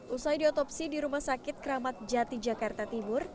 usai diotopsi di rumah sakit keramat jati jakarta timur